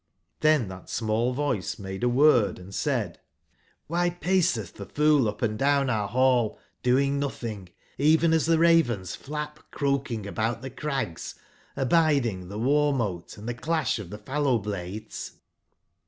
"j^Xrben tbat small voice made a di 33 word and said: ''dlby pacctb the fool up and down our ball, doing notbing, even as tbe Ravens flap croahing about tbe crags, abiding tbe war/inote and tbe clasb of tbe fallow blades